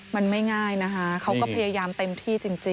มันไม่ง่ายนะคะเขาก็พยายามเต็มที่จริง